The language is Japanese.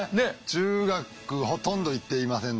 中学ほとんど行っていませんので。